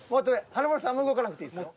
華丸さん動かなくていいっすよ。